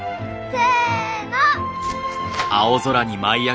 せの。